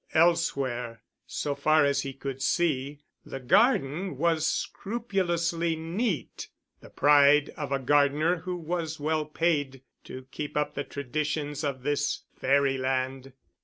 Elsewhere, so far as he could see, the garden was scrupulously neat, the pride of a gardener who was well paid to keep up the traditions of this fairyland.